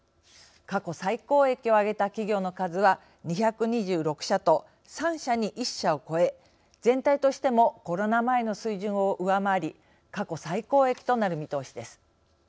過去最高益を上げた企業の数は２２６社と、３社に１社を超え全体としてもコロナ前の水準を上回り過去最高益となる見通しです。